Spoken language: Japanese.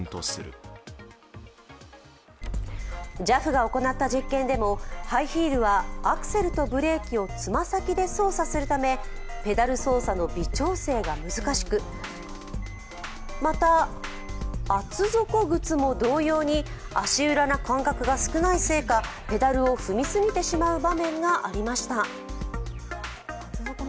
ＪＡＦが行った実験でもハイヒールはアクセルとブレーキを爪先で操作するためペダル操作の微調整が難しくまた厚底靴も同様に足裏の感覚が少ないせいかペダルを踏みすぎてしまう場面がありました。